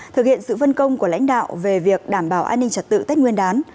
thực hiện sự vân công của lãnh đạo về việc đảm bảo an ninh trật tự tết nguyên đán